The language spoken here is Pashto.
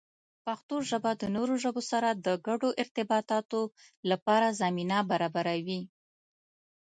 پښتو ژبه د نورو ژبو سره د ګډو ارتباطاتو لپاره زمینه برابروي.